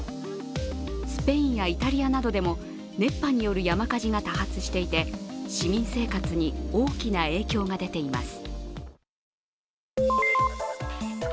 スペインやイタリアなどでも熱波による山火事が多発していて市民生活に大きな影響が出ています。